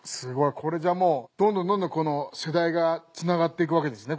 これじゃあもうどんどんどんどんこの世代がつながっていくわけですね。